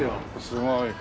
すごい。